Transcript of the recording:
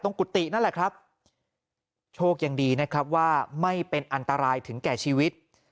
กุฏินั่นแหละครับโชคยังดีนะครับว่าไม่เป็นอันตรายถึงแก่ชีวิต